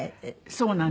そうなんです。